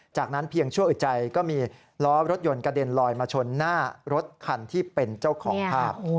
จากนั้นเพียงชั่วอึดใจก็มีล้อรถยนต์กระเด็นลอยมาชนหน้ารถคันที่เป็นเจ้าของภาพ